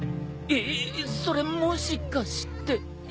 えっそれもしかして。